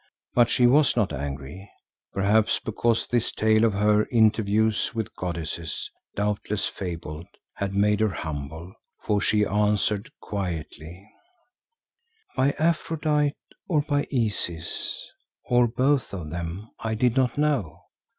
But she was not angry, perhaps because this tale of her interviews with goddesses, doubtless fabled, had made her humble, for she answered quietly, "By Aphrodite, or by Isis, or both of them I did not know.